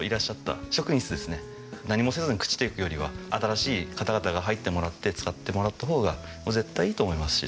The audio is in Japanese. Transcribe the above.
何もせずに朽ちていくよりは新しい方々が入ってもらって使ってもらったほうがもう絶対いいと思いますし。